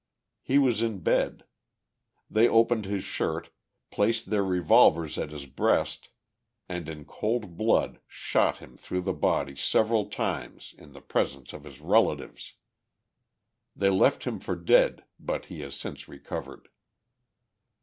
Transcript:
He was in bed; they opened his shirt, placed their revolvers at his breast, and in cold blood shot him through the body several times in the presence of his relatives. They left him for dead, but he has since recovered.